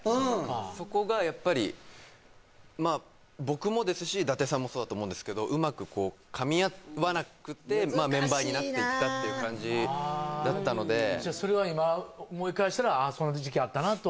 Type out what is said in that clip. そこがやっぱりまあ僕もですし舘さんもそうだと思うんですけどうまく噛み合わなくて難しいなメンバーになっていったっていう感じだったのでそれは今思い返したらそんな時期あったなと？